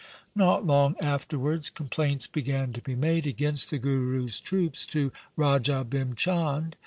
Not long afterwards complaints began to be made against the Guru's troops to Raja Bhim Chand.